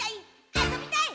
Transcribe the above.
あそびたい！」